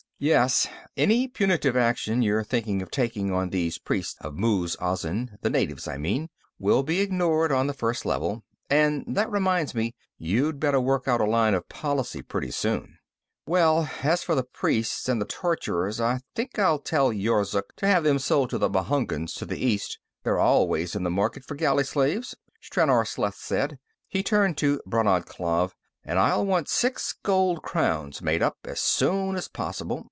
"Yes. Any punitive action you're thinking about taking on these priests of Muz Azin the natives, I mean will be ignored on the First Level. And that reminds me: you'd better work out a line of policy, pretty soon." "Well, as for the priests and the torturers, I think I'll tell Yorzuk to have them sold to the Bhunguns, to the east. They're always in the market for galley slaves," Stranor Sleth said. He turned to Brannad Klav. "And I'll want six gold crowns made up, as soon as possible.